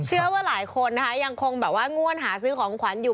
เชื่อว่าหลายคนนะคะยังคงแบบว่าง่วนหาซื้อของขวัญอยู่